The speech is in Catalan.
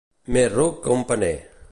Més ruc que un paner.